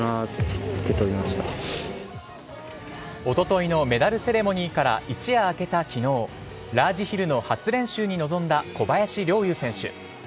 おとといのメダルセレモニーから一夜明けた昨日ラージヒルの初練習に臨んだ小林陵侑選手。